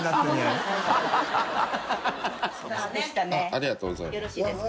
ありがとうございます。